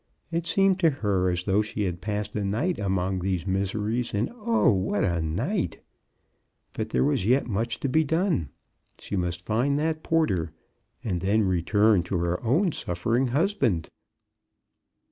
It seemed to her as though she had passed a night among these miseries. And, oh, what a night ! But there was yet much to be done. She must find that porter, and then return to her own suffer ing husband.